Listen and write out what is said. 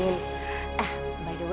kita ketemu sama abang aku juga